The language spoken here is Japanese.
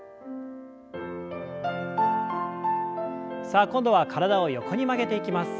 さあ今度は体を横に曲げていきます。